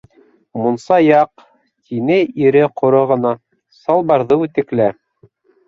Мунса яҡ, - тине ире ҡоро ғына, - салбарҙы үтеклә.